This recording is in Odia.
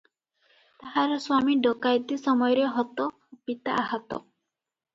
ତାହାର ସ୍ୱାମୀ ଡକାଏତି ସମୟରେ ହତ ଓ ପିତା ଆହତ ।